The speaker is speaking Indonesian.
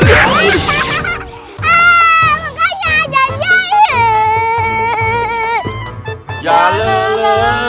saya ingin mendapatkan compare ini